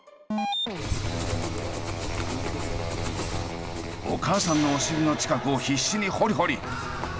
お母さんのおしりの近くを必死に掘り掘り！